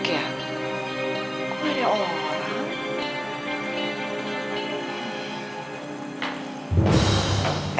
kok ada orang orang